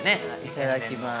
◆いただきまーす。